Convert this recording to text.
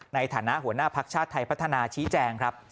ในฐานะหัวหน้าภักดิ์ชาติไทยพัฒนาชี้แจงครับ